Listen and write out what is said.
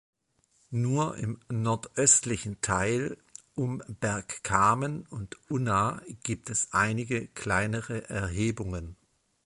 Nur im nordöstlichen Teil, um Bergkamen und Unna gibt es einige kleinere Erhebungen.